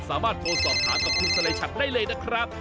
สามารถโทรสอบถามกับคุณสลัยชัดได้เลยนะครับ